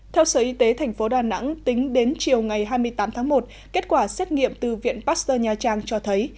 theo sở y tế tp đà nẵng tính đến chiều ngày hai mươi tám tháng một kết quả xét nghiệm từ viện pasteur nha trang cho thấy